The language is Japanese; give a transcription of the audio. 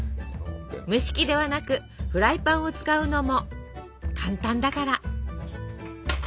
蒸し器ではなくフライパンを使うのも簡単だから。